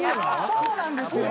そうなんですよ。